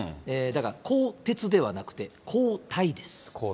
だから、更迭ではなくて交代です。